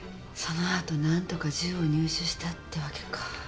その後何とか銃を入手したってわけか。